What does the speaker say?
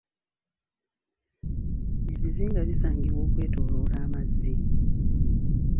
Ebizinga bisangibwa okwetoloola amazzi.